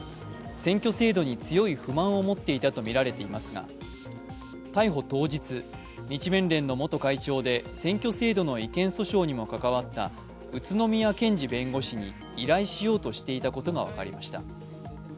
選挙制度に強い不満を持っていたとみられていますが逮捕当時、日弁連の元会長で、選挙制度の違憲訴訟にも関わった宇都宮健児弁護士に依頼しようとしていたことが分かりました。